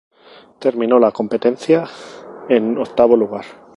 Terminó la competencia en octavo lugar.